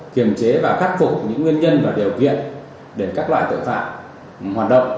kiềm chế và khắc phục những nguyên nhân và điều kiện để các loại tội phạm hoạt động